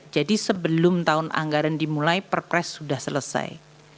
jadi sebelum tahun anggaran dimulai perpres sudah selesai